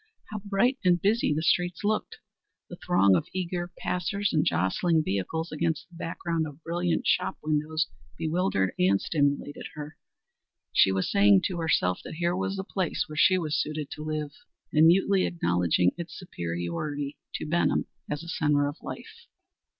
How bright and busy the streets looked! The throng of eager passers and jostling vehicles against the background of brilliant shop windows bewildered and stimulated her. She was saying to herself that here was the place where she was suited to live, and mutely acknowledging its superiority to Benham as a centre of life.